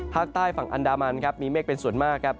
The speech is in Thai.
ภาคใต้ฝั่งอันดามันครับมีเมฆเป็นส่วนมากครับ